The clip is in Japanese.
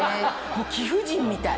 もう貴婦人みたい！